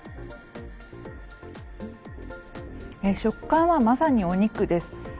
食感はまさにお肉です。